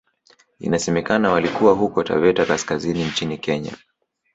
Inasemekana walikuwa huko Taveta kaskazini nchini Kenya